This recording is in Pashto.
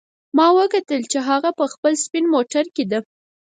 ما وکتل چې هغه په خپل سپین موټر کې ده